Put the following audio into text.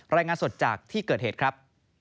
รายงานสดจากที่เกิดเหตุครับ